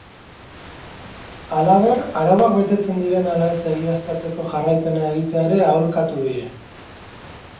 Halaber, arauak betetzen diren ala ez egiaztatzeko jarraipena egitea ere aholkatu die.